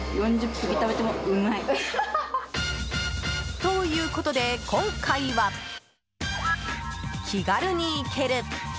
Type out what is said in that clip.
ということで、今回は気軽に行ける！